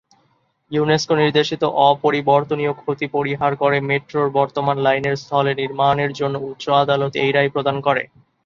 UNESCO নির্দেশিত "অপরিবর্তনীয় ক্ষতি" পরিহার করে মেট্রোর বর্তমান লাইনের স্থলে নির্মাণের জন্য উচ্চ আদালত এই রায় প্রদান করে।